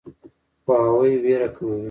پوهاوی ویره کموي.